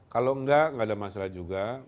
kalau enggak enggak ada masalah juga